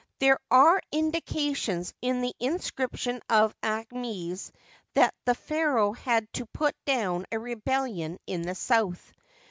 There are indications in the inscription of Aahmes that the pharaoh had to put down a rebellion in the south.